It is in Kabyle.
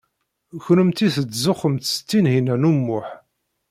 Kennemti tettzuxxumt s Tinhinan u Muḥ.